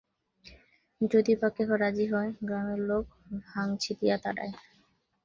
যদি বা কেহ রাজি হয়, গ্রামের লোকে ভাংচি দিয়া তাড়ায়।